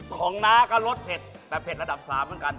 ของนาก็รสเผ็ดแต่เผ็ดระดับ๓เมื่อกัน